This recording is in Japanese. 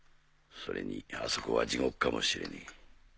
それにあそこは地獄かもしれねえ。